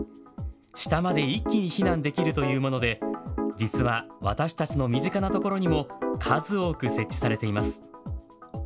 下まで一気に避難できるというもので実は私たちの身近なところにも数多く設置されています。